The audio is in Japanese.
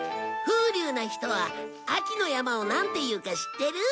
風流な人は秋の山をなんて言うか知ってる？